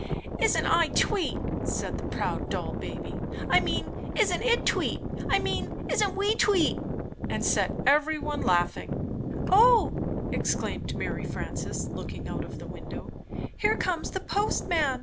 "Isn't I tweet?" said the proud doll baby, ''I mean, isn't it tweet? — I mean, isn't we tweet?" and^^ set everyone laughing. iTitTyom "Oh," exclaimed Mary Frances, looking out of thel^IUliy window, "here comes the postman.